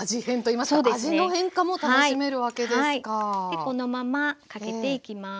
でこのままかけていきます。